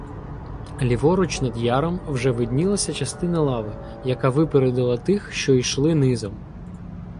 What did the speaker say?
Ліворуч над яром вже виднілася частина лави, яка випередила тих, що йшли низом.